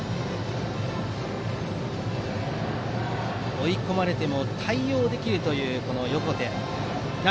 追い込まれても対応できるという横手。